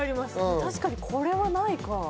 確かにこれはないか。